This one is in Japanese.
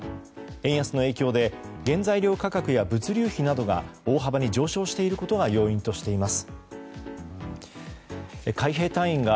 円安の影響で原材料価格や物流費などが大幅に上昇していることが要因としています。